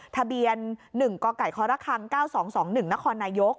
ทะเบียน๑กคค๙๒๒๑นนน